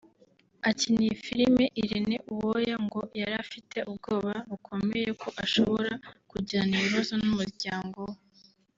Akina iyi filime Irene Uwoya ngo yari afite ubwoba bukomeye ko ashobora kugirana ibibazo n’umuryango we